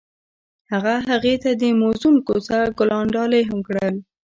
هغه هغې ته د موزون کوڅه ګلان ډالۍ هم کړل.